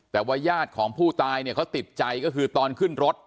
แต่ว่าญาติของผู้ตายเนี่ยเขาติดใจก็คือตอนขึ้นรถ